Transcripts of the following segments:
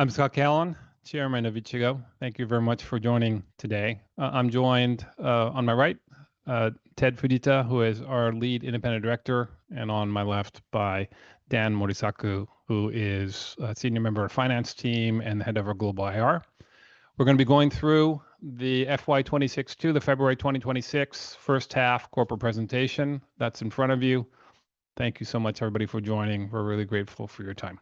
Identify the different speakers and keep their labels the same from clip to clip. Speaker 1: I'm Scott Callon, Chairman of Ichigo. Thank you very much for joining today. I'm joined on my right, Tet Fujita, who is our Lead Independent Director, and on my left by Dan Morisaku, who is a Senior Member of the Finance Team and the Head of our Global IR. We're going to be going through the FY26 to the February 2026 first half corporate presentation that's in front of you. Thank you so much, everybody, for joining. We're really grateful for your time.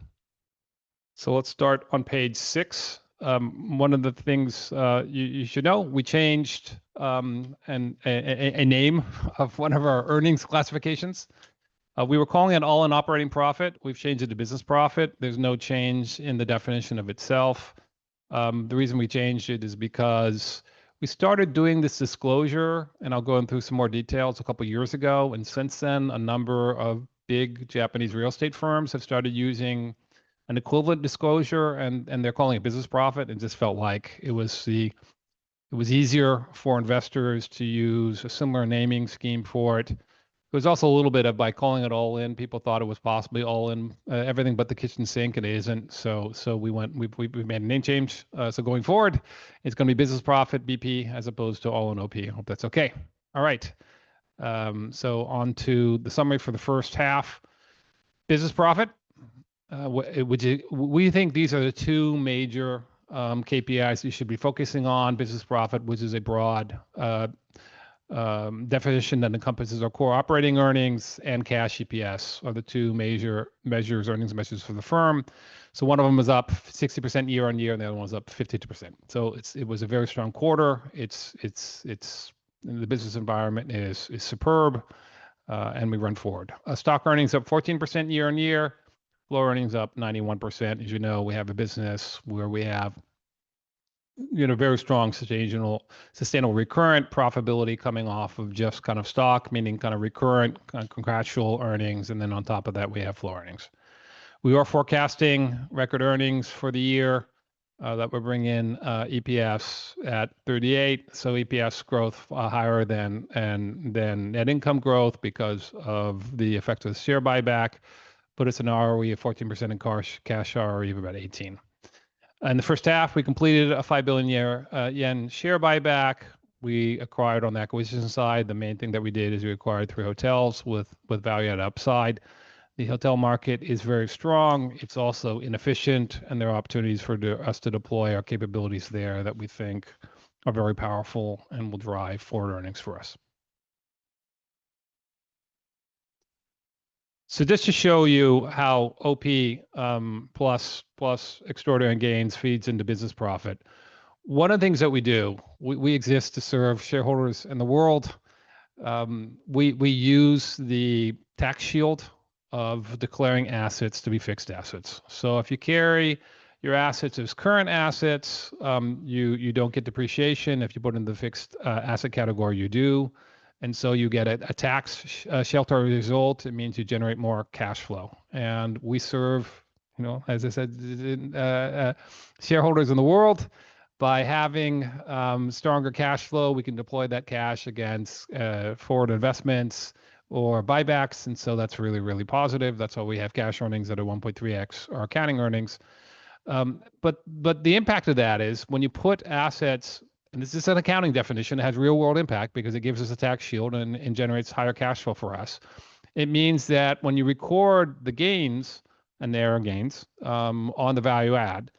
Speaker 1: So let's start on page six. One of the things you should know, we changed a name of one of our earnings classifications. We were calling it All-In Operating Profit. We've changed it to Business Profit. There's no change in the definition itself. The reason we changed it is because we started doing this disclosure, and I'll go into some more details, a couple of years ago. And since then, a number of big Japanese real estate firms have started using an equivalent disclosure, and they're calling it business profit. It just felt like it was easier for investors to use a similar naming scheme for it. It was also a little bit of, by calling it all in, people thought it was possibly all in everything but the kitchen sink, and it isn't. So we made a name change. So going forward, it's going to be business profit, BP, as opposed to all in OP. I hope that's okay. All right. So on to the summary for the first half. Business profit, we think these are the two major KPIs you should be focusing on. Business Profit, which is a broad definition that encompasses our core operating earnings and Cash EPS, are the two major earnings measures for the firm. So one of them is up 60% year on year, and the other one is up 52%. So it was a very strong quarter. The business environment is superb, and we run forward. Stock Earnings up 14% year on year. Flow Earnings up 91%. As you know, we have a business where we have very strong sustainable recurrent profitability coming off of just kind of stock, meaning kind of recurrent, kind of contractual earnings. And then on top of that, we have Flow Earnings. We are forecasting record earnings for the year that we're bringing in EPS at 38. So EPS growth higher than net income growth because of the effect of the share buyback. But it's an ROE of 14% and cash ROE of about 18. In the first half, we completed a 5 billion yen share buyback. We acquired on the acquisition side. The main thing that we did is we acquired three hotels with value add upside. The hotel market is very strong. It's also inefficient, and there are opportunities for us to deploy our capabilities there that we think are very powerful and will drive forward earnings for us. So just to show you how OP plus extraordinary gains feeds into business profit. One of the things that we do, we exist to serve shareholders in the world. We use the tax shield of declaring assets to be fixed assets. So if you carry your assets as current assets, you don't get depreciation. If you put it in the fixed asset category, you do. And so you get a tax shelter result. It means you generate more cash flow. And we serve, as I said, shareholders in the world. By having stronger cash flow, we can deploy that cash against forward investments or buybacks. And so that's really, really positive. That's why we have cash earnings that are 1.3x our accounting earnings. But the impact of that is when you put assets, and this is an accounting definition, it has real-world impact because it gives us a tax shield and generates higher cash flow for us. It means that when you record the gains, and they are gains, on the value add,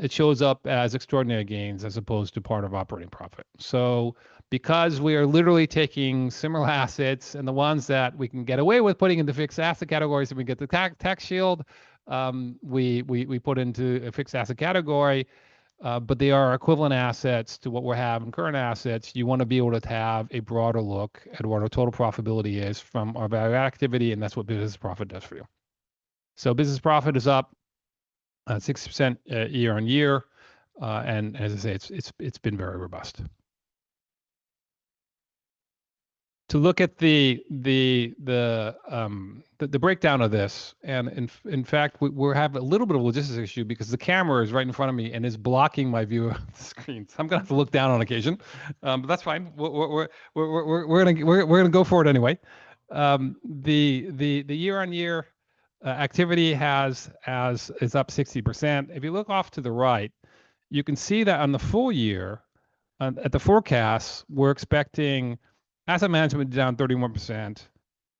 Speaker 1: it shows up as extraordinary gains as opposed to part of operating profit. So because we are literally taking similar assets and the ones that we can get away with putting in the fixed asset categories, and we get the tax shield, we put into a fixed asset category. But they are equivalent assets to what we're having current assets. You want to be able to have a broader look at what our total profitability is from our value add activity, and that's what Business Profit does for you. So Business Profit is up 6% year on year. And as I say, it's been very robust. To look at the breakdown of this, and in fact, we have a little bit of a logistics issue because the camera is right in front of me and is blocking my view of the screen. So I'm going to have to look down on occasion. But that's fine. We're going to go forward anyway. The year-on-year activity is up 60%. If you look off to the right, you can see that on the full year at the forecast, we're expecting asset management down 31%,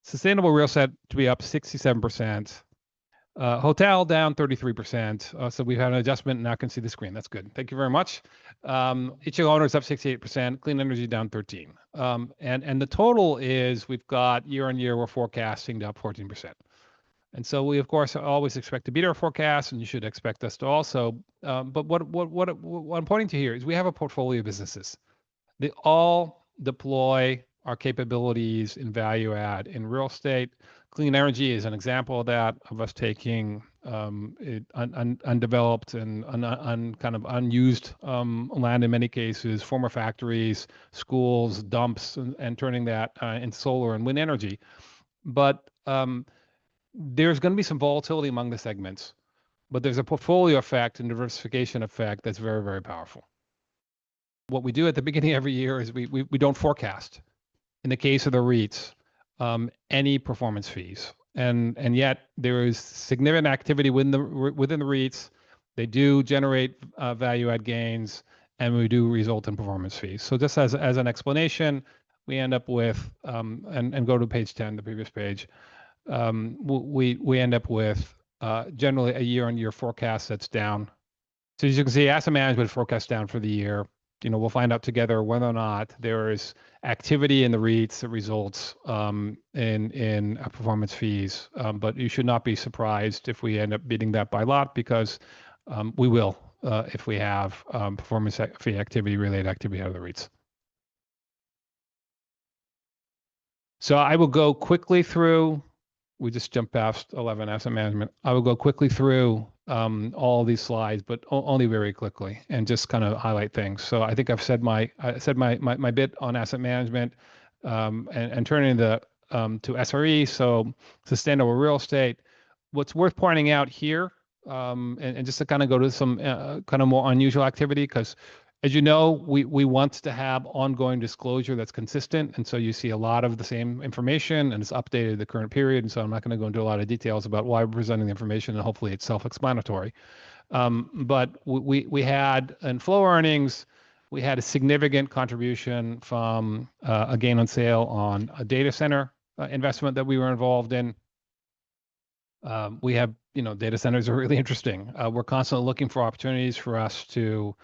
Speaker 1: sustainable real estate to be up 67%, hotel down 33%, so we have an adjustment, and I can see the screen. That's good. Thank you very much. Ichigo Owners is up 68%, clean energy down 13%, and the total is we've got year-on-year we're forecasting to up 14%, and so we, of course, always expect to beat our forecast, and you should expect us to also, but what I'm pointing to here is we have a portfolio of businesses. They all deploy our capabilities and value add in real estate. Clean energy is an example of that, of us taking undeveloped and kind of unused land in many cases, former factories, schools, dumps, and turning that into solar and wind energy. But there's going to be some volatility among the segments. But there's a portfolio effect and diversification effect that's very, very powerful. What we do at the beginning of every year is we don't forecast, in the case of the REITs, any performance fees. And yet there is significant activity within the REITs. They do generate value add gains, and we do result in performance fees. So just as an explanation, we end up with, and go to page 10, the previous page, we end up with generally a year-on-year forecast that's down. So as you can see, asset management forecast down for the year. We'll find out together whether or not there is activity in the REITs that results in performance fees. But you should not be surprised if we end up beating that by a lot because we will if we have performance activity related activity out of the REITs. So I will go quickly through, we just jumped past 11 asset management. I will go quickly through all these slides, but only very quickly, and just kind of highlight things. So I think I've said my bit on asset management and turning to SRE, so sustainable real estate. What's worth pointing out here, and just to kind of go to some kind of more unusual activity, because as you know, we want to have ongoing disclosure that's consistent, and so you see a lot of the same information, and it's updated in the current period. And so I'm not going to go into a lot of details about why we're presenting the information, and hopefully it's self-explanatory. But we had in Flow Earnings, we had a significant contribution from a gain on sale on a data center investment that we were involved in. We have. Data centers are really interesting. We're constantly looking for opportunities for us to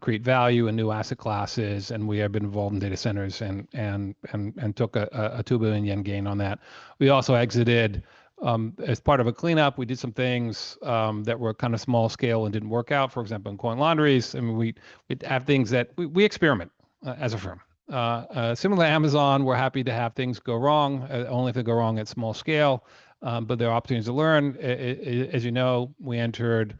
Speaker 1: create value in new asset classes. And we have been involved in data centers and took a 2 billion yen gain on that. We also exited as part of a cleanup. We did some things that were kind of small scale and didn't work out, for example, in coin laundries. And we have things that we experiment as a firm. Similar to Amazon, we're happy to have things go wrong, only if they go wrong at small scale. But there are opportunities to learn. As you know, we entered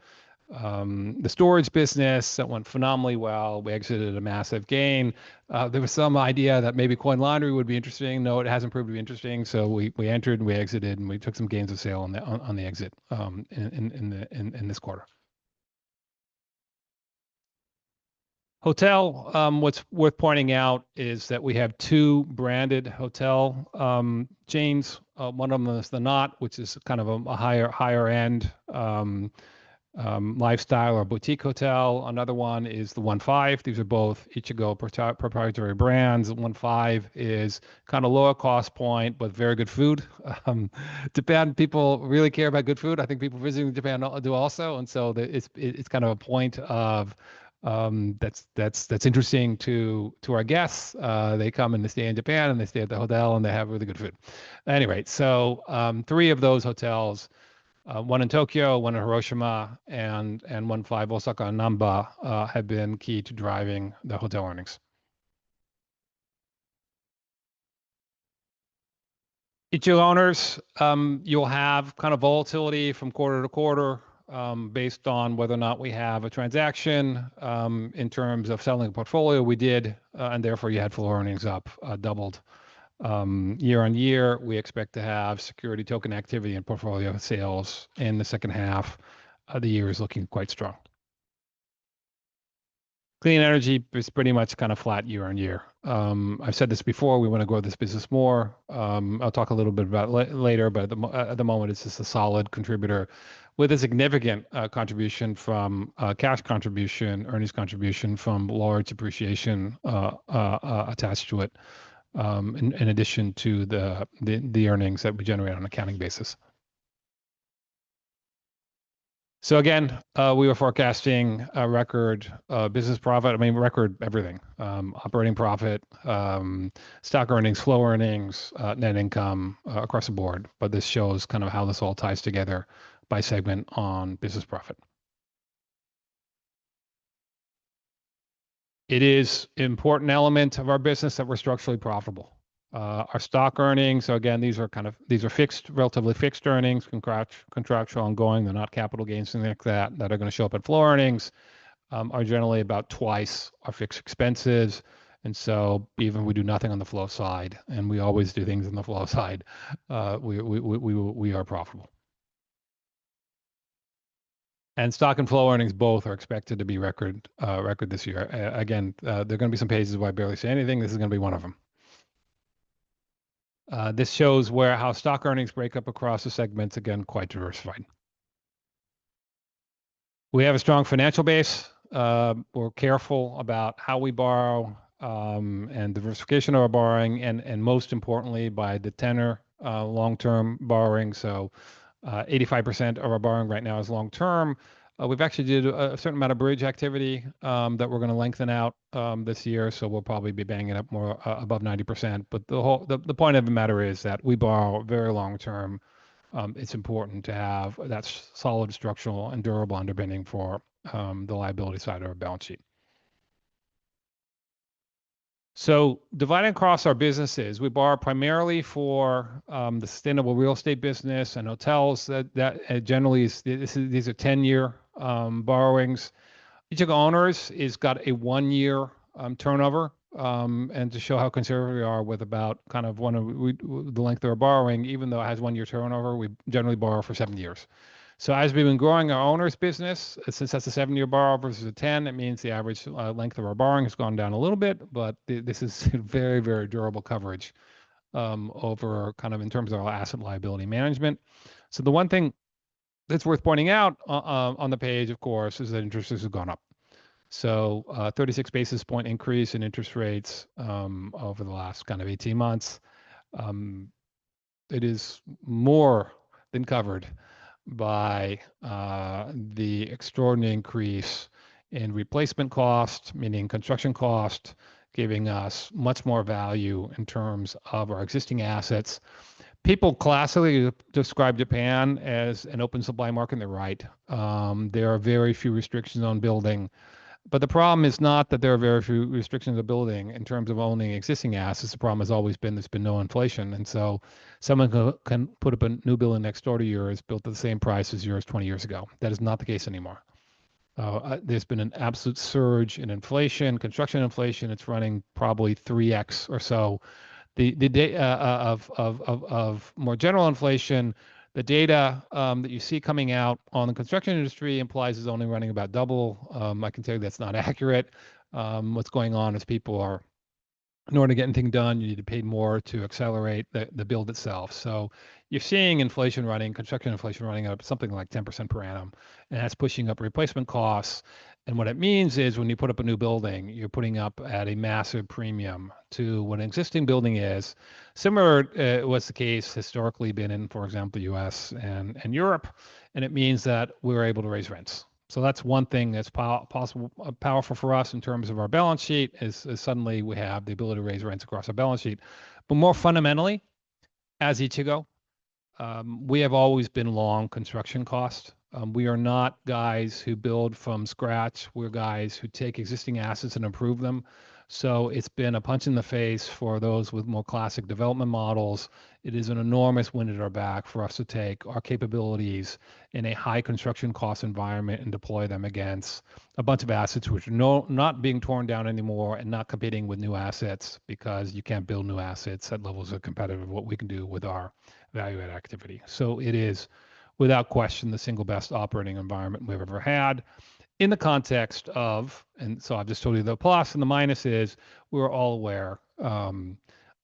Speaker 1: the storage business that went phenomenally well. We exited at a massive gain. There was some idea that maybe coin laundry would be interesting. No, it hasn't proved to be interesting. So we entered, and we exited, and we took some gains of sale on the exit in this quarter. Hotel, what's worth pointing out is that we have two branded hotel chains. One of them is The Knot, which is kind of a higher-end lifestyle or boutique hotel. Another one is The OneFive. These are both Ichigo proprietary brands. The OneFive is kind of a lower cost point, but very good food. Japan people really care about good food. I think people visiting Japan do also. And so it's kind of a point that's interesting to our guests. They come and they stay in Japan, and they stay at the hotel, and they have really good food. Anyway, so three of those hotels, one in Tokyo, one in Hiroshima, and OneFive, Osaka and Namba, have been key to driving the hotel earnings. Ichigo Owners, you'll have kind of volatility from quarter to quarter based on whether or not we have a transaction in terms of selling a portfolio we did, and therefore you had flow earnings up doubled year on year. We expect to have security token activity and portfolio sales in the second half of the year, is looking quite strong. Clean energy is pretty much kind of flat year on year. I've said this before, we want to grow this business more. I'll talk a little bit about it later, but at the moment, it's just a solid contributor with a significant contribution from cash contribution, earnings contribution from large depreciation attached to it, in addition to the earnings that we generate on an accounting basis. So again, we were forecasting record Business Profit, I mean, record everything, operating profit, Stock Earnings, Flow Earnings, net income across the board. But this shows kind of how this all ties together by segment on Business Profit. It is an important element of our business that we're structurally profitable. Our Stock Earnings, so again, these are kind of fixed, relatively fixed earnings, contractual, ongoing, they're not capital gains, things like that, that are going to show up at Flow Earnings, are generally about twice our fixed expenses. And so even we do nothing on the Flow side, and we always do things on the Flow side, we are profitable. And Stock and Flow earnings both are expected to be record this year. Again, there are going to be some pages where I barely say anything. This is going to be one of them. This shows how Stock earnings break up across the segments, again, quite diversified. We have a strong financial base. We're careful about how we borrow and diversification of our borrowing, and most importantly, by the tenor long-term borrowing. So 85% of our borrowing right now is long-term. We've actually did a certain amount of bridge activity that we're going to lengthen out this year. So we'll probably be banging it up more above 90%. But the point of the matter is that we borrow very long-term. It's important to have that solid, structural, and durable underpinning for the liability side of our balance sheet. So dividing across our businesses, we borrow primarily for the sustainable real estate business and hotels. Generally, these are 10-year borrowings. Ichigo Owners has got a one-year turnover. And to show how conservative we are with about kind of the length of our borrowing, even though it has one-year turnover, we generally borrow for seven years. So as we've been growing our owners' business, since that's a seven-year borrow versus a 10, it means the average length of our borrowing has gone down a little bit. But this is very, very durable coverage over kind of in terms of our asset liability management. So the one thing that's worth pointing out on the page, of course, is that interest rates have gone up. So, 36 basis points increase in interest rates over the last kind of 18 months. It is more than covered by the extraordinary increase in replacement cost, meaning construction cost, giving us much more value in terms of our existing assets. People classically describe Japan as an open supply market, right. There are very few restrictions on building, but the problem is not that there are very few restrictions on building in terms of owning existing assets. The problem has always been there's been no inflation, and so someone can put up a new building next door to yours built at the same price as yours 20 years ago. That is not the case anymore. There's been an absolute surge in inflation, construction inflation. It's running probably 3x or so. The data of more general inflation, the data that you see coming out on the construction industry, implies it's only running about double. I can tell you that's not accurate. What's going on is, in order to get anything done, you need to pay more to accelerate the build itself. So you're seeing inflation running, construction inflation running up something like 10% per annum, and that's pushing up replacement costs, and what it means is when you put up a new building, you're putting up at a massive premium to what an existing building is. Similar to what's the case historically been in, for example, the U.S. and Europe, and it means that we're able to raise rents, so that's one thing that's powerful for us in terms of our balance sheet, is suddenly we have the ability to raise rents across our balance sheet. But more fundamentally, as Ichigo, we have always been long construction cost. We are not guys who build from scratch. We're guys who take existing assets and improve them. So it's been a punch in the face for those with more classic development models. It is an enormous wind at our back for us to take our capabilities in a high construction cost environment and deploy them against a bunch of assets which are not being torn down anymore and not competing with new assets because you can't build new assets at levels of competitive what we can do with our value add activity. So it is, without question, the single best operating environment we've ever had in the context of, and so I've just told you the plus and the minuses, we're all aware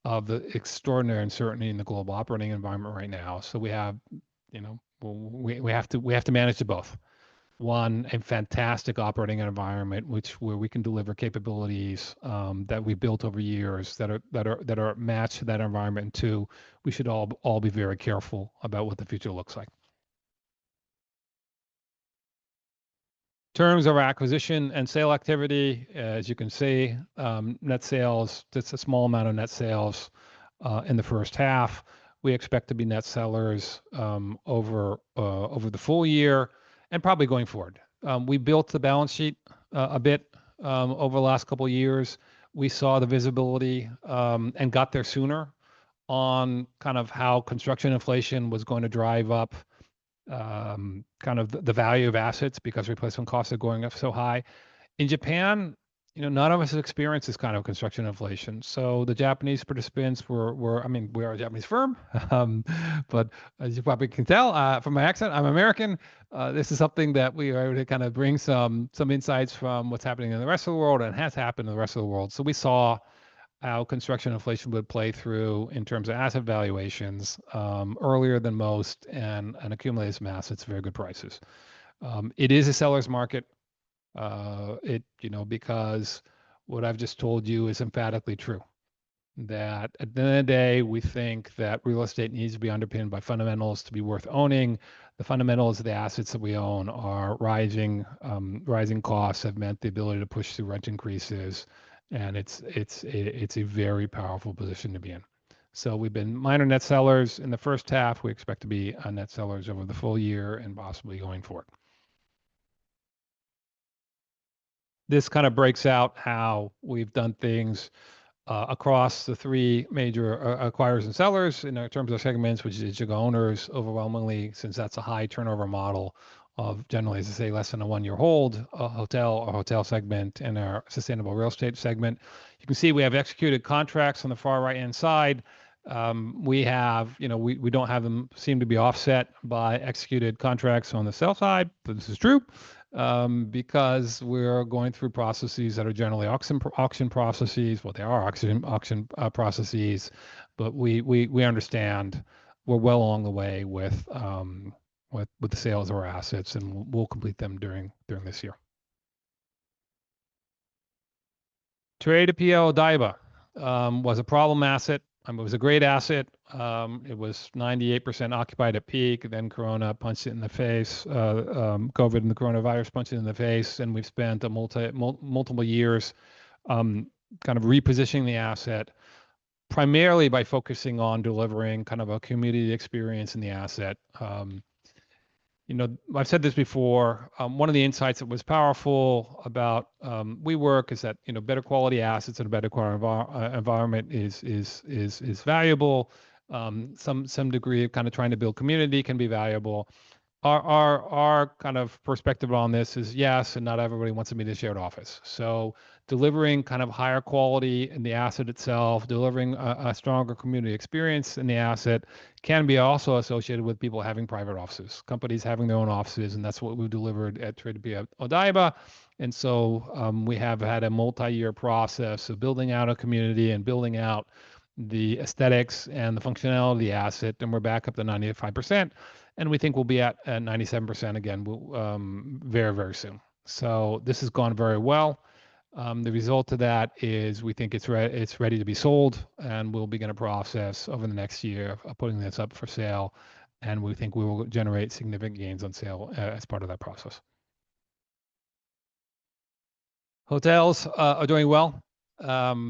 Speaker 1: of the extraordinary uncertainty in the global operating environment right now. We have to manage it both. One, a fantastic operating environment where we can deliver capabilities that we built over years that are matched to that environment. And two, we should all be very careful about what the future looks like. In terms of our acquisition and sale activity, as you can see, net sales, just a small amount of net sales in the first half. We expect to be net sellers over the full year and probably going forward. We built the balance sheet a bit over the last couple of years. We saw the visibility and got there sooner on kind of how construction inflation was going to drive up kind of the value of assets because replacement costs are going up so high. In Japan, none of us has experienced this kind of construction inflation. So the Japanese participants were, I mean, we are a Japanese firm, but as you probably can tell from my accent, I'm American. This is something that we were able to kind of bring some insights from what's happening in the rest of the world and has happened in the rest of the world, so we saw how construction inflation would play through in terms of asset valuations earlier than most and accumulate assets at very good prices. It is a seller's market because what I've just told you is emphatically true, that at the end of the day, we think that real estate needs to be underpinned by fundamentals to be worth owning. The fundamentals of the assets that we own are rising. Rising costs have meant the ability to push through rent increases, and it's a very powerful position to be in. So we've been minor net sellers in the first half. We expect to be net sellers over the full year and possibly going forward. This kind of breaks out how we've done things across the three major acquirers and sellers in terms of segments, which is Ichigo Owners overwhelmingly, since that's a high turnover model of generally, as I say, less than a one-year hold hotel or hotel segment in our sustainable real estate segment. You can see we have executed contracts on the far right-hand side. We don't have them seem to be offset by executed contracts on the sell side, but this is true because we're going through processes that are generally auction processes. Well, they are auction processes, but we understand we're well along the way with the sales of our assets, and we'll complete them during this year. Tradepia Odaiba was a problem asset. It was a great asset. It was 98% occupied at peak, then corona punched it in the face, COVID and the coronavirus punched it in the face, and we've spent multiple years kind of repositioning the asset, primarily by focusing on delivering kind of a community experience in the asset. I've said this before. One of the insights that was powerful about WeWork is that better quality assets in a better environment is valuable. Some degree of kind of trying to build community can be valuable. Our kind of perspective on this is yes, and not everybody wants to be in the shared office, so delivering kind of higher quality in the asset itself, delivering a stronger community experience in the asset can be also associated with people having private offices, companies having their own offices, and that's what we've delivered at Tradepia Odaiba. And so we have had a multi-year process of building out a community and building out the aesthetics and the functionality of the asset. And we're back up to 95%. And we think we'll be at 97% again very, very soon. So this has gone very well. The result of that is we think it's ready to be sold, and we'll begin a process over the next year of putting this up for sale. And we think we will generate significant gains on sale as part of that process. Hotels are doing well. The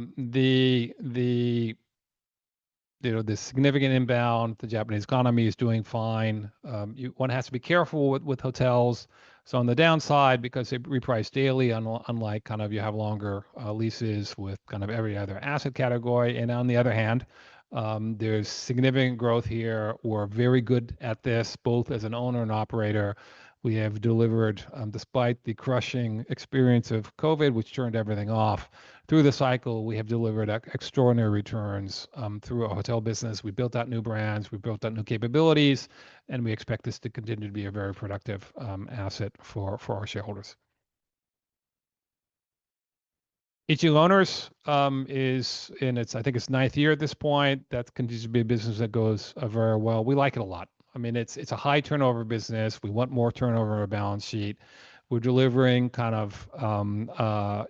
Speaker 1: significant inbound, the Japanese economy is doing fine. One has to be careful with hotels. So on the downside, because they reprice daily, unlike kind of you have longer leases with kind of every other asset category. And on the other hand, there's significant growth here. We're very good at this, both as an owner and operator. We have delivered, despite the crushing experience of COVID, which turned everything off, through the cycle. We have delivered extraordinary returns through our hotel business. We built out new brands. We built out new capabilities, and we expect this to continue to be a very productive asset for our shareholders. Ichigo Owners is in its, I think it's ninth year at this point. That continues to be a business that goes very well. We like it a lot. I mean, it's a high turnover business. We want more turnover on our balance sheet. We're delivering kind of a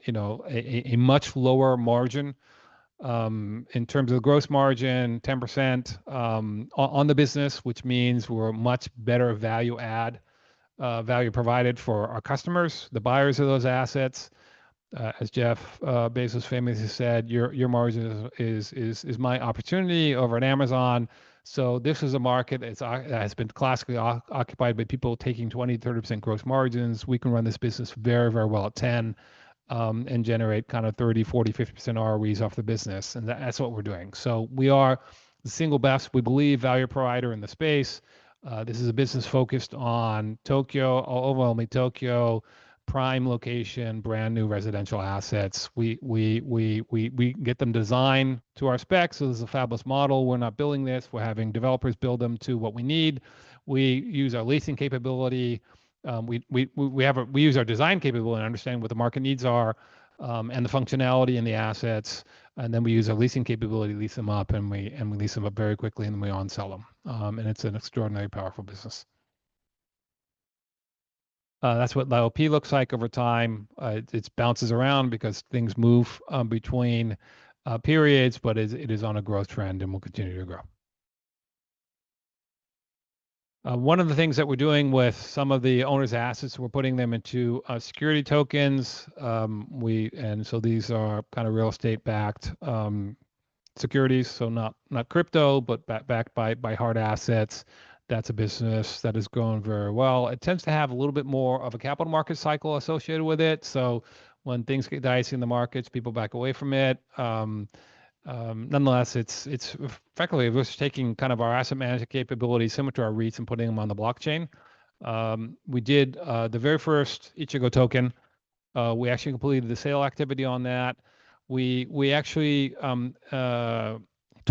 Speaker 1: much lower margin in terms of gross margin, 10% on the business, which means we're a much better value-add value provided for our customers, the buyers of those assets. As Jeff Bezos famously said, "Your margin is my opportunity over at Amazon." So this is a market that has been classically occupied by people taking 20%-30% gross margins. We can run this business very, very well at 10% and generate kind of 30%, 40%, 50% ROEs off the business. And that's what we're doing. So we are the single best, we believe, value provider in the space. This is a business focused on Tokyo, overwhelmingly Tokyo, prime location, brand new residential assets. We get them designed to our specs. So this is a fabulous model. We're not building this. We're having developers build them to what we need. We use our leasing capability. We use our design capability and understand what the market needs are and the functionality in the assets. And then we use our leasing capability, lease them up, and we lease them up very quickly, and we on-sell them. And it's an extraordinarily powerful business. That's what Owners looks like over time. It bounces around because things move between periods, but it is on a growth trend, and we'll continue to grow. One of the things that we're doing with some of the owners' assets, we're putting them into security tokens. And so these are kind of real estate-backed securities, so not crypto, but backed by hard assets. That's a business that has grown very well. It tends to have a little bit more of a capital market cycle associated with it. So when things get dicey in the markets, people back away from it. Nonetheless, it's frankly, we're taking kind of our asset management capability similar to our REITs and putting them on the blockchain. We did the very first Ichigo token. We actually completed the sale activity on that. We actually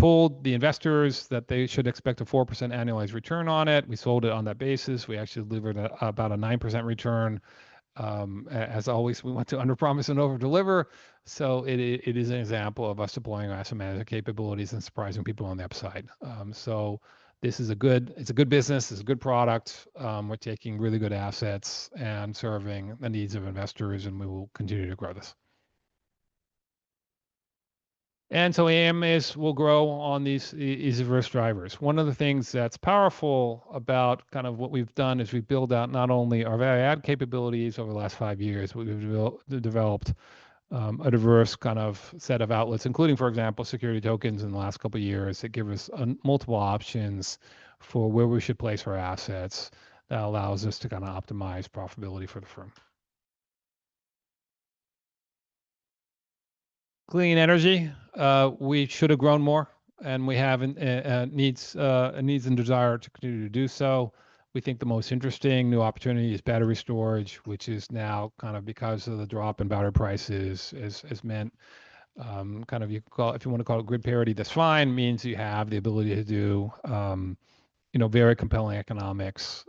Speaker 1: told the investors that they should expect a 4% annualized return on it. We sold it on that basis. We actually delivered about a 9% return. As always, we want to underpromise and overdeliver. So it is an example of us deploying our asset management capabilities and surprising people on the upside. So this is a good business. It's a good product. We're taking really good assets and serving the needs of investors, and we will continue to grow this. And so AMAs will grow on these easy verse drivers. One of the things that's powerful about kind of what we've done is we build out not only our value-add capabilities over the last five years, but we've developed a diverse kind of set of outlets, including, for example, security tokens in the last couple of years that give us multiple options for where we should place our assets that allows us to kind of optimize profitability for the firm. Clean energy. We should have grown more, and we have needs and desire to continue to do so. We think the most interesting new opportunity is battery storage, which is now kind of because of the drop in battery prices has meant kind of, if you want to call it grid parity, that's fine, means you have the ability to do very compelling economics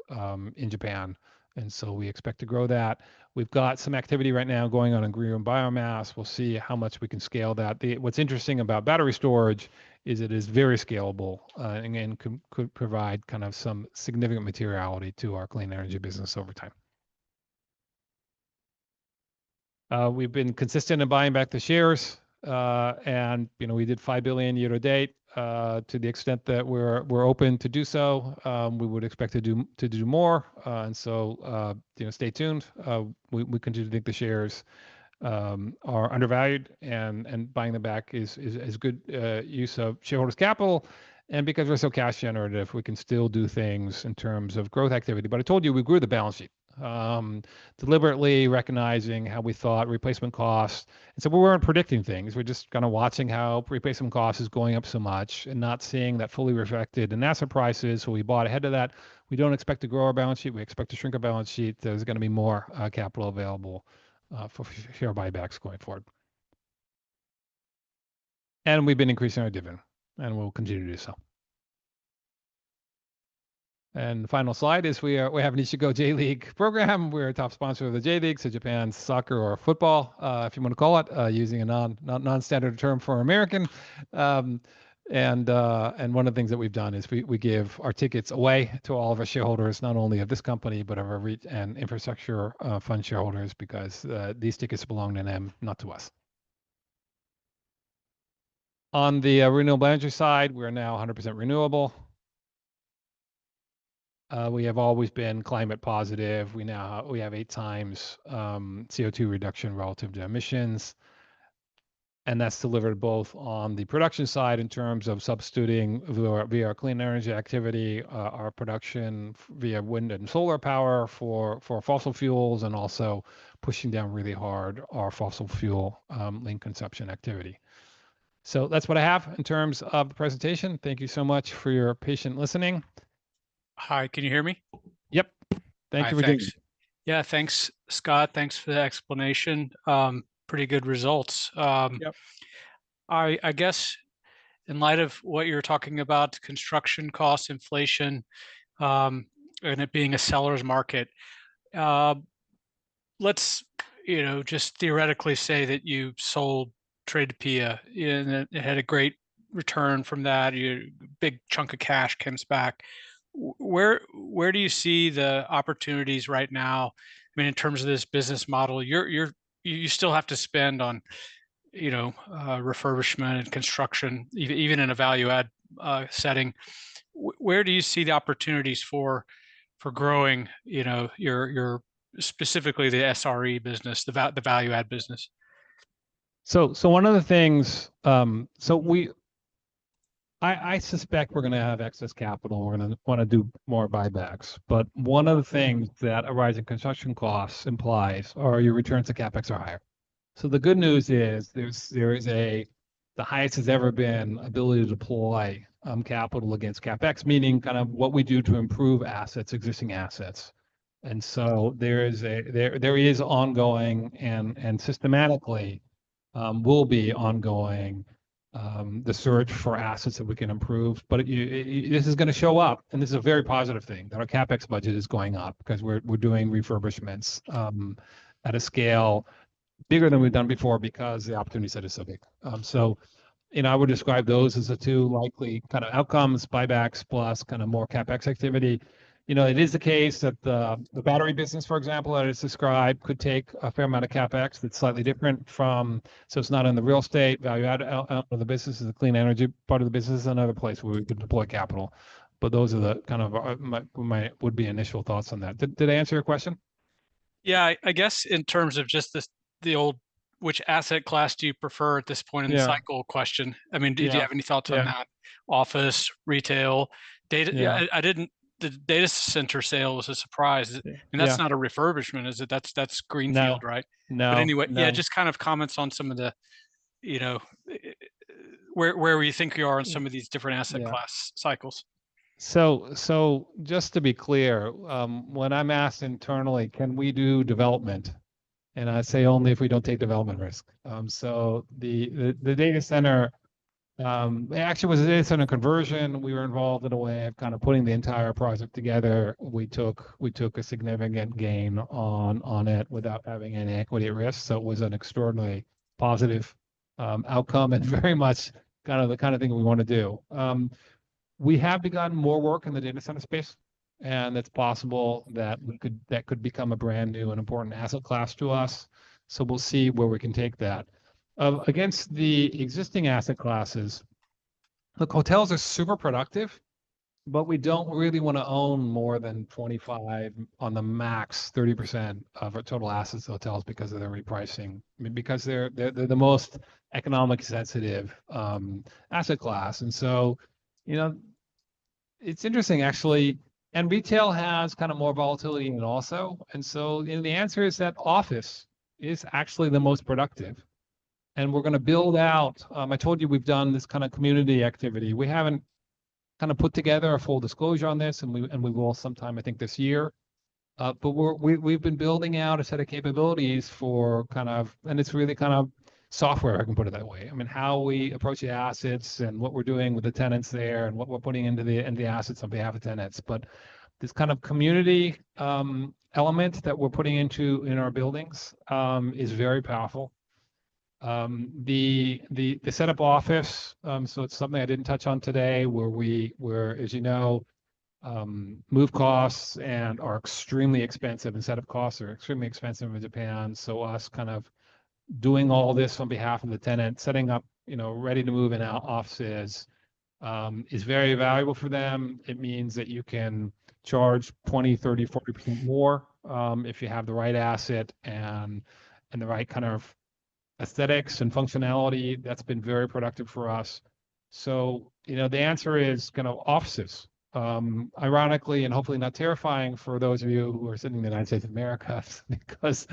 Speaker 1: in Japan, and so we expect to grow that. We've got some activity right now going on in green room biomass. We'll see how much we can scale that. What's interesting about battery storage is it is very scalable and can provide kind of some significant materiality to our clean energy business over time. We've been consistent in buying back the shares. And we did 5 billion year to date to the extent that we're open to do so. We would expect to do more. And so stay tuned. We continue to think the shares are undervalued, and buying them back is good use of shareholders' capital. And because we're so cash generative, we can still do things in terms of growth activity. But I told you we grew the balance sheet, deliberately recognizing how we thought replacement cost. And so we weren't predicting things. We're just kind of watching how replacement cost is going up so much and not seeing that fully reflected in asset prices, so we bought ahead of that. We don't expect to grow our balance sheet. We expect to shrink our balance sheet. There's going to be more capital available for share buybacks going forward, and we've been increasing our dividend, and we'll continue to do so, and the final slide is we have an Ichigo J.League program. We're a top sponsor of the J.League, so Japan's soccer or football, if you want to call it, using a non-standard term for American, and one of the things that we've done is we give our tickets away to all of our shareholders, not only of this company, but of our REIT and infrastructure fund shareholders because these tickets belong to them, not to us. On the renewable energy side, we're now 100% renewable. We have always been climate positive. We have eight times CO2 reduction relative to emissions. And that's delivered both on the production side in terms of substituting via our clean energy activity, our production via wind and solar power for fossil fuels, and also pushing down really hard our fossil fuel link consumption activity. So that's what I have in terms of the presentation. Thank you so much for your patient listening. Hi, can you hear me? Yep. Thank you for doing this. Yeah, thanks, Scott. Thanks for the explanation. Pretty good results. I guess in light of what you're talking about, construction costs, inflation, and it being a seller's market, let's just theoretically say that you sold Tradepia Odaiba and it had a great return from that. Big chunk of cash comes back. Where do you see the opportunities right now? I mean, in terms of this business model, you still have to spend on refurbishment and construction, even in a value-add setting. Where do you see the opportunities for growing specifically the SRE business, the value-add business? So one of the things I suspect we're going to have excess capital. We're going to want to do more buybacks. But one of the things that a rising construction cost implies are your returns to CapEx are higher. So the good news is there is the highest has ever been ability to deploy capital against CapEx, meaning kind of what we do to improve existing assets. And so there is ongoing and systematically will be ongoing the search for assets that we can improve. But this is going to show up. This is a very positive thing that our CapEx budget is going up because we're doing refurbishments at a scale bigger than we've done before because the opportunity set is so big. I would describe those as the two likely kind of outcomes, buybacks plus kind of more CapEx activity. It is the case that the battery business, for example, that I just described could take a fair amount of CapEx. That's slightly different from so it's not in the real estate value-add out of the business. The clean energy part of the business is another place where we can deploy capital. Those are the kind of would be initial thoughts on that. Did I answer your question? Yeah, I guess in terms of just the old, which asset class do you prefer at this point in the cycle question? I mean, did you have any thoughts on that? Office, retail, data? The data center sale was a surprise. And that's not a refurbishment, is it? That's Greenfield, right? No. But anyway, yeah, just kind of comments on some of the where we think you are on some of these different asset class cycles. So just to be clear, when I'm asked internally, can we do development? And I say only if we don't take development risk. So the data center, it actually was a data center conversion. We were involved in a way of kind of putting the entire project together. We took a significant gain on it without having any equity risk. So it was an extraordinarily positive outcome and very much kind of the kind of thing we want to do. We have begun more work in the data center space. And it's possible that could become a brand new and important asset class to us. So we'll see where we can take that. Against the existing asset classes, look, hotels are super productive, but we don't really want to own more than 25, on the max, 30% of our total assets of hotels because of their repricing, because they're the most economic sensitive asset class. And so it's interesting, actually. And retail has kind of more volatility also. And so the answer is that office is actually the most productive. And we're going to build out, I told you we've done this kind of community activity. We haven't kind of put together a full disclosure on this, and we will sometime, I think, this year. But we've been building out a set of capabilities for kind of, and it's really kind of software, I can put it that way. I mean, how we approach the assets and what we're doing with the tenants there and what we're putting into the assets on behalf of tenants. But this kind of community element that we're putting into our buildings is very powerful. The setup office, so it's something I didn't touch on today, where we, as you know, moving costs are extremely expensive. And setup costs are extremely expensive in Japan. So us kind of doing all this on behalf of the tenant, setting up, ready to move in our offices is very valuable for them. It means that you can charge 20, 30, 40% more if you have the right asset and the right kind of aesthetics and functionality. That's been very productive for us. So the answer is kind of offices, ironically and hopefully not terrifying for those of you who are sitting in the United States of America, because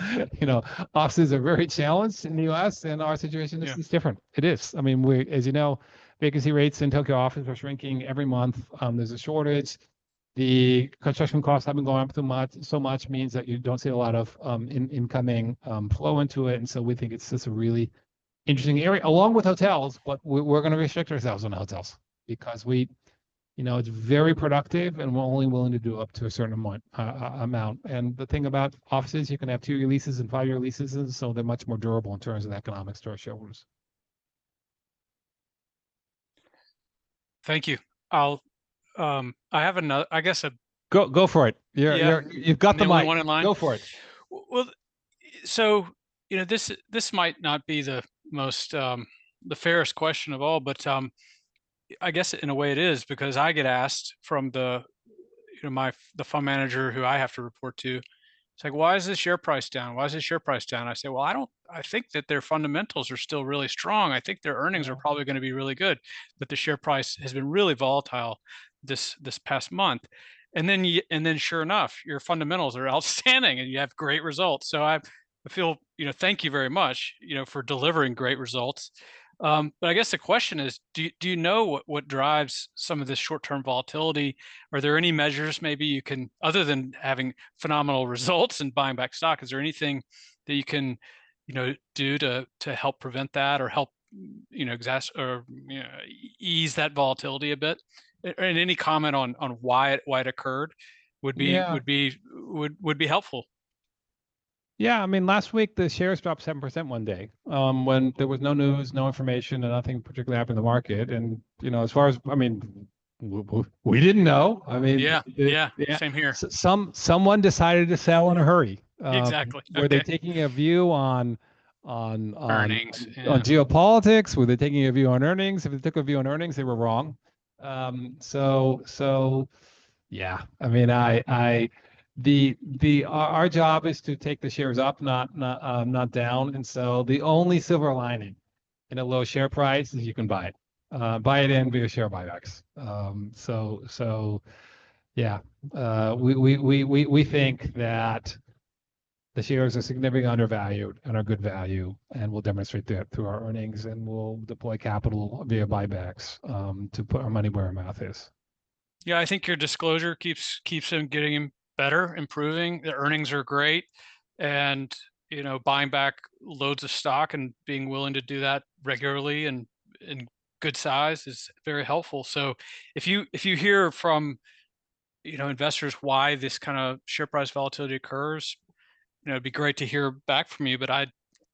Speaker 1: offices are very challenged in the U.S., and our situation is different. It is. I mean, as you know, vacancy rates in Tokyo offices are shrinking every month. There's a shortage. The construction costs haven't gone up so much means that you don't see a lot of incoming flow into it, and so we think it's just a really interesting area, along with hotels, but we're going to restrict ourselves on hotels because it's very productive, and we're only willing to do up to a certain amount, and the thing about offices, you can have two-year leases and five-year leases, and so they're much more durable in terms of economics to our shareholders. Thank you. I have another, I guess. Go for it. You've got the mic. Go for it. Well, so this might not be the fairest question of all, but I guess in a way it is, because I get asked from the fund manager who I have to report to. It's like, "Why is the share price down? Why is the share price down?" I say, "Well, I think that their fundamentals are still really strong. I think their earnings are probably going to be really good, but the share price has been really volatile this past month." And then sure enough, your fundamentals are outstanding, and you have great results. So I feel, thank you very much for delivering great results. But I guess the question is, do you know what drives some of this short-term volatility? Are there any measures, maybe you can, other than having phenomenal results and buying back stock, is there anything that you can do to help prevent that or help ease that volatility a bit? And any comment on why it occurred would be helpful. Yeah. I mean, last week, the shares dropped 7% one day when there was no news, no information, and nothing particularly happened in the market. And as far as, I mean, we didn't know. I mean. Yeah, same here. Someone decided to sell in a hurry. Exactly. Were they taking a view on earnings? On geopolitics? Were they taking a view on earnings? If they took a view on earnings, they were wrong. So yeah, I mean, our job is to take the shares up, not down. And so the only silver lining in a low share price is you can buy it. Buy it and back shares buybacks. So yeah, we think that the shares are significantly undervalued and are good value and will demonstrate that through our earnings and will deploy capital via buybacks to put our money where our mouth is. Yeah, I think your disclosure keeps them getting better, improving. The earnings are great. And buying back loads of stock and being willing to do that regularly and in good size is very helpful. So if you hear from investors why this kind of share price volatility occurs, it'd be great to hear back from you. But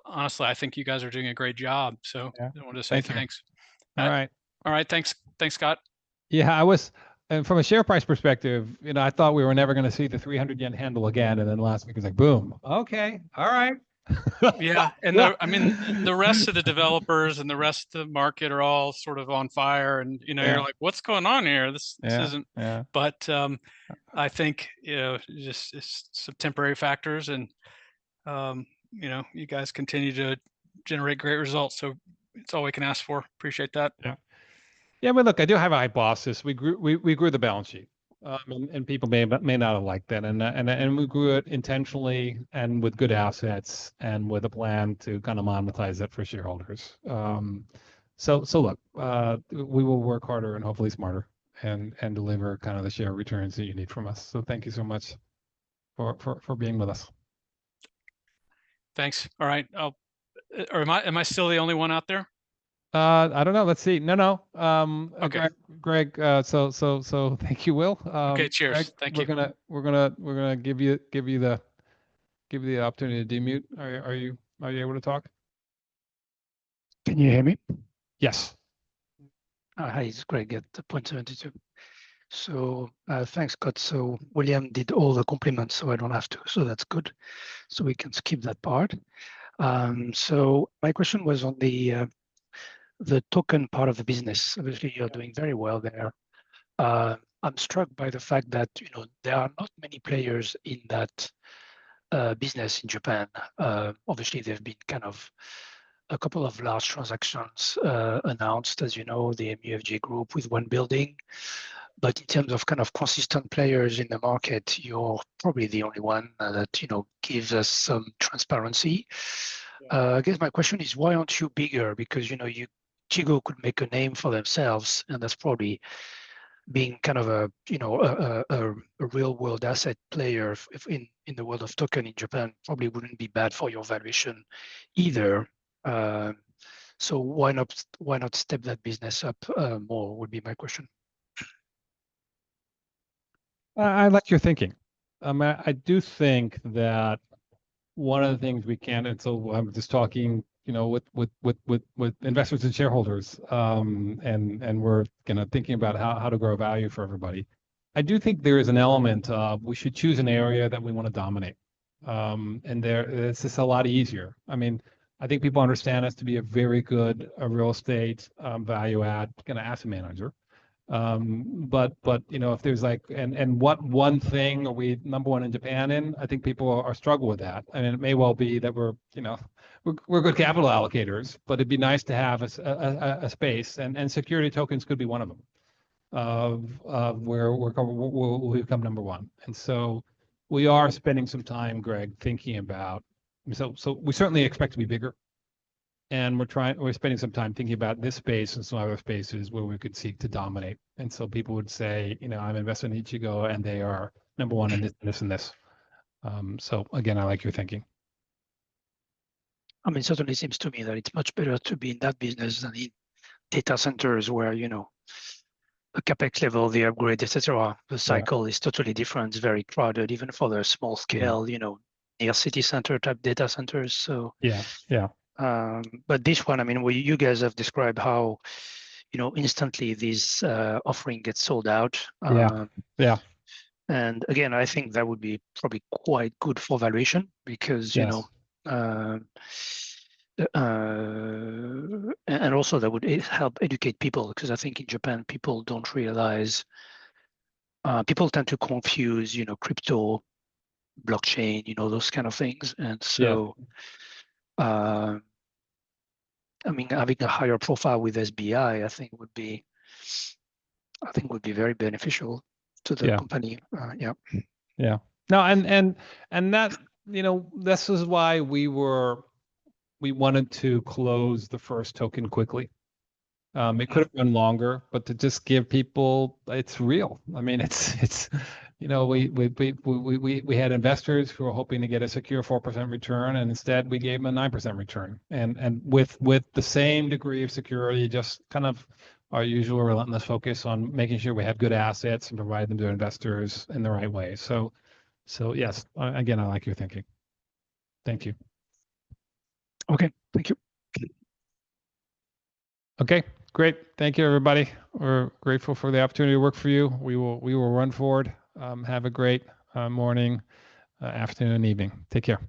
Speaker 1: honestly, I think you guys are doing a great job. So I want to say. Thanks. All right. All right. Thanks, Scott. Yeah. And from a share price perspective, I thought we were never going to see the 300 yen handle again. And then last week was like, "Boom. Okay. All right. Yeah, and I mean, the rest of the developers and the rest of the market are all sort of on fire, and you're like, "What's going on here?" but I think just some temporary factors, and you guys continue to generate great results, so it's all we can ask for. Appreciate that. Yeah. Yeah. I mean, look, I do have a hypothesis, we grew the balance sheet, and people may not have liked that, and we grew it intentionally and with good assets and with a plan to kind of monetize it for shareholders, so look, we will work harder and hopefully smarter and deliver kind of the share returns that you need from us, so thank you so much for being with us. Thanks. All right. Am I still the only one out there? I don't know. Let's see. No, no. Okay, Greg, so thank you, Will. Okay. Cheers. Thank you. We're going to give you the opportunity to de-mute. Are you able to talk? Can you hear me? Yes. Hi, it's Greg at 2022. So thanks, Scott. So William did all the compliments, so I don't have to. So that's good. So we can skip that part. So my question was on the token part of the business. Obviously, you're doing very well there. I'm struck by the fact that there are not many players in that business in Japan. Obviously, there've been kind of a couple of large transactions announced, as you know, the MUFG Group with one building. But in terms of kind of consistent players in the market, you're probably the only one that gives us some transparency. I guess my question is, why aren't you bigger? Because Ichigo could make a name for themselves, and that's probably being kind of a real-world asset player in the world of token in Japan probably wouldn't be bad for your valuation either. So why not step that business up more would be my question. I like your thinking. I mean, I do think that one of the things we can, and so I'm just talking with investors and shareholders, and we're kind of thinking about how to grow value for everybody. I do think there is an element of we should choose an area that we want to dominate. And it's just a lot easier. I mean, I think people understand us to be a very good real estate value-add kind of asset manager. But if there's like, and what one thing are we number one in Japan in? I think people struggle with that. I mean, it may well be that we're good capital allocators, but it'd be nice to have a space, and security tokens could be one of them where we become number one, and so we are spending some time, Greg, thinking about, so we certainly expect to be bigger, and we're spending some time thinking about this space and some other spaces where we could seek to dominate, and so people would say, "I'm invested in Ichigo, and they are number one in this and this and this," so again, I like your thinking. I mean, certainly it seems to me that it's much better to be in that business than in data centers where the CapEx level, the upgrade, etc., the cycle is totally different. It's very crowded, even for the small-scale near-city center type data centers. But this one, I mean, you guys have described how instantly this offering gets sold out. And again, I think that would be probably quite good for valuation because and also that would help educate people because I think in Japan, people don't realize people tend to confuse crypto, blockchain, those kind of things. And so I mean, having a higher profile with SBI, I think, would be very beneficial to the company. Yeah. Yeah. No, and this is why we wanted to close the first token quickly. It could have been longer, but to just give people, it's real. I mean, we had investors who were hoping to get a secure 4% return, and instead, we gave them a 9% return. With the same degree of security, just kind of our usual relentless focus on making sure we have good assets and provide them to investors in the right way. Yes, again, I like your thinking. Thank you. Okay. Thank you. Okay. Great. Thank you, everybody. We're grateful for the opportunity to work for you. We will run forward. Have a great morning, afternoon, and evening. Take care.